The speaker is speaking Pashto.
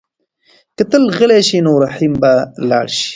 که ته غلی شې نو رحیم به لاړ شي.